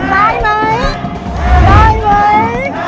ได้ไหมได้ไหม